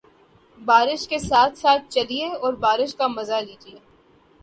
بادل کے ساتھ ساتھ چلیے اور بارش کا مزہ لیجئے